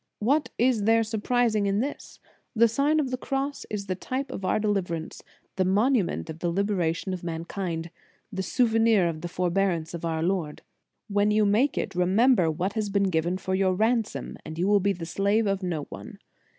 "What is there surprising in this? The Sign of the Cross is the type of our deliver ance, the monument of the liberation of mankind, the souvenir of the forbearance of our Lord. When you make it, remember what has been given for your ransom, and you will be the slave of no one.